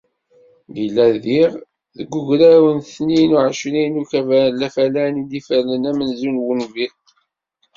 Yella, diɣ, deg ugraw n tnin u εecrin n ukabar n Lafalan i ifernen amenzu n wunbir.